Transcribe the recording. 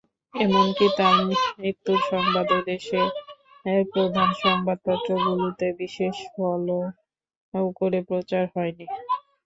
এমনকি তাঁর মৃত্যুর সংবাদও দেশের প্রধান সংবাদপত্রগুলোতে বিশেষ ফলাও করে প্রচার হয়নি।